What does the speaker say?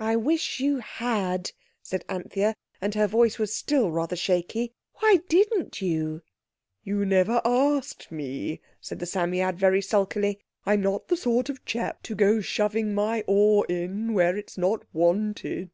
"I wish you had," said Anthea, and her voice was still rather shaky. "Why didn't you?" "You never asked me," said the Psammead very sulkily. "I'm not the sort of chap to go shoving my oar in where it's not wanted."